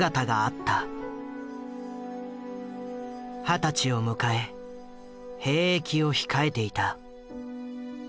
二十歳を迎え兵役を控えていた。